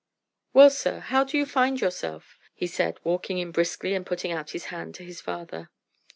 "Well, sir, how do you find yourself?" he said, walking in briskly and putting out his hand to his father.